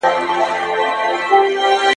• د ماينې مرگ د څنگلي درد دئ.